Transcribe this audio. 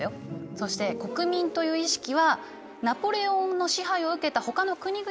そして国民という意識はナポレオンの支配を受けたほかの国々でも生まれたんだな。